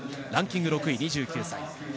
ランキング６位、２９歳。